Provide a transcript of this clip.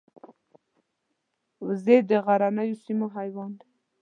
وزې د غرنیو سیمو حیوان دي